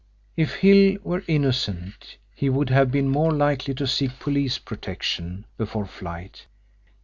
If Hill were innocent he would have been more likely to seek police protection before flight.